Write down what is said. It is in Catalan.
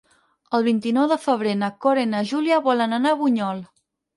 El vint-i-nou de febrer na Cora i na Júlia volen anar a Bunyol.